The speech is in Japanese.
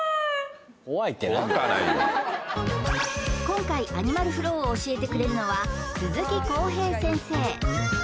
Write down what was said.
今回アニマルフローを教えてくれるのは鈴木康平先生